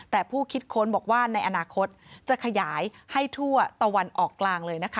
แต่ผู้คิดค้นบอกว่าในอนาคตจะขยายให้ทั่วตะวันออกกลางเลยนะคะ